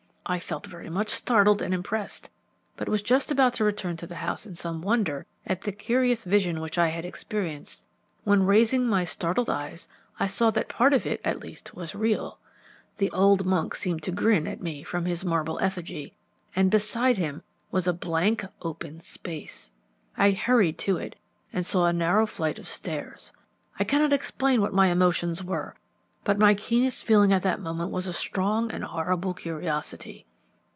I felt very much startled and impressed, but was just about to return to the house in some wonder at the curious vision which I had experienced, when, raising my startled eyes, I saw that part of it at least was real. The old monk seemed to grin at me from his marble effigy, and beside him was a blank open space. I hurried to it and saw a narrow flight of stairs. I cannot explain what my emotions were, but my keenest feeling at that moment was a strong and horrible curiosity.